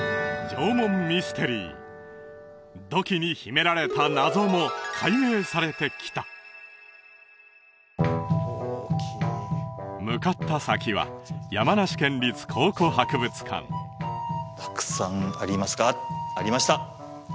縄文ミステリー土器に秘められた謎も解明されてきた大きい向かった先は山梨県立考古博物館たくさんありますがありました！